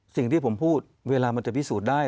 สิ่งที่ผมพูดเวลามันจะพิสูจน์ได้